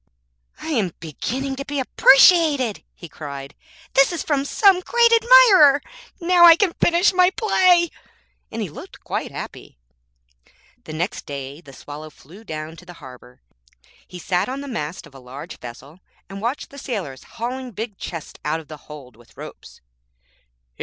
'I am beginning to be appreciated,' he cried; 'this is from some great admirer. Now I can finish my play,' and he looked quite happy. The next day the Swallow flew down to the harbour. He sat on the mast of a large vessel and watched the sailors hauling big chests out of the hold with ropes.